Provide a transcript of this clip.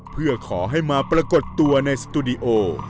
เพื่อขอให้มาปรากฏตัวในสตูดิโอ